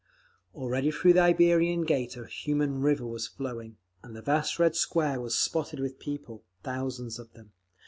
Already through the Iberian Gate a human river was flowing, and the vast Red Square was spotted with people, thousands of them.